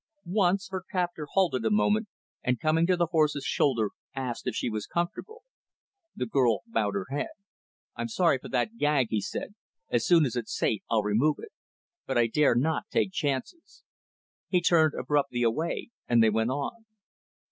Once, her captor halted a moment, and, coming to the horse's shoulder, asked if she was comfortable. The girl bowed her head. "I'm sorry for that gag," he said. "As soon as it's safe, I'll remove it; but I dare not take chances." He turned abruptly away and they went on.